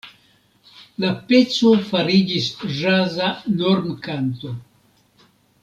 La peco fariĝis ĵaza normkanto.